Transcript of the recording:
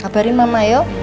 kabarin mama yuk